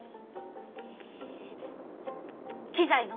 え機材の？